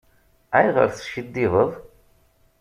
Ayɣer teskiddibeḍ?